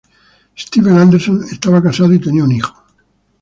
Steve Anderson estaba casado y tenía un hijo.